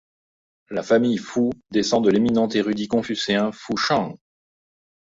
La famille Fu descend de l'éminent érudit confucéen Fu Sheng.